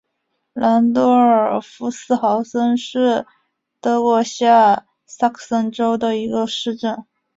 兰多尔夫斯豪森是德国下萨克森州的一个市镇。